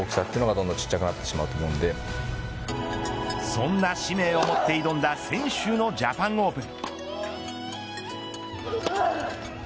そんな使命を持って挑んだ先週のジャパンオープン。